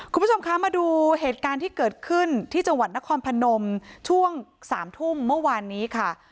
คุณผู้ชมคะมาดูเหตุการณ์ที่เกิดขึ้นที่จังหวัดนครพนมช่วงสามทุ่มเมื่อวานนี้ค่ะ